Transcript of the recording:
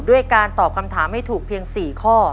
ด้วยการตอบคำถามให้ถูกเพียง๔ข้อ